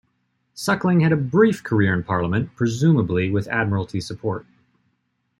Suckling had a brief career in Parliament, presumably with Admiralty support.